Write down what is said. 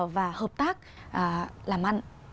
và hợp tác làm ăn